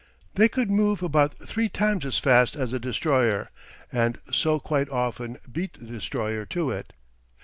They could move about three times as fast as a destroyer, and so quite often beat the destroyer to it.